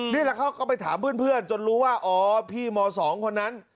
นี่แหละเขาก็ไปถามเพื่อนจนรู้ว่าอ๋อพี่ม๒คนนั้น